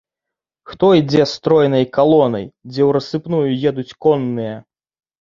Хто ідзе стройнай калонай, дзе ў рассыпную едуць конныя.